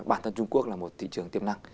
bản thân trung quốc là một thị trường tiềm năng